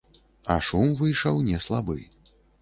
А шум выйшаў не слабы.